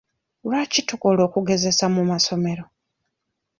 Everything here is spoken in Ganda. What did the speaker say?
Lwaki tukola okugezesa mu masomero?